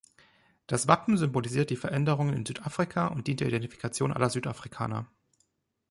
Das Wappen symbolisiert die Veränderungen in Südafrika und dient der Identifikation aller Südafrikaner.